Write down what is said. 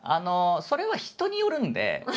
それは人によるんで。